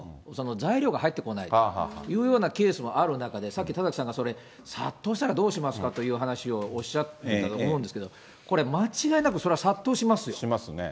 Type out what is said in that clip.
材料が入ってこないというようなケースもある中で、さっき、田崎さんがそれ、殺到したらどうしますかという話をおっしゃっていたと思うんですけど、これ、間違いなく、それは殺到しますよ。